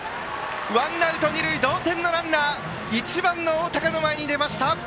ワンアウト二塁同点のランナーが１番、大高の前に出ました。